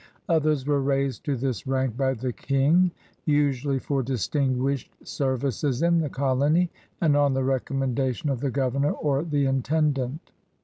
Others were raised to this rank by the ICing, usually for distinguished services in the colony and on the recommendation of the governor or the intendant.